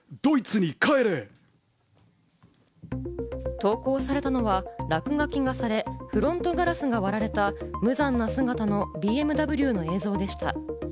投稿されたのは、落書きがされ、フロントガラスが割られた無残な姿のＢＭＷの映像でした。